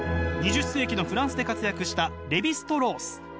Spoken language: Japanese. ２０世紀のフランスで活躍したレヴィ＝ストロース。